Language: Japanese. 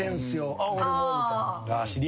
「あっ俺も」みたいな。